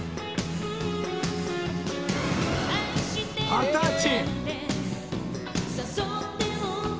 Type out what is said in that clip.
「二十歳！？」